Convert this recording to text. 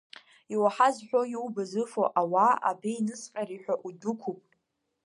Иуаҳаз ҳәо, иубаз ыфо, ауаа абеинысҟьари ҳәа удәықәуп.